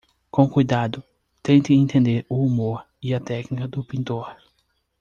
Com cuidado, tente entender o humor e a técnica do pintor